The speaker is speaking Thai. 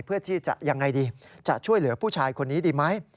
เพื่อที่จะยังไงดีจะช่วยเหลือผู้ชายคนนี้ดีไหม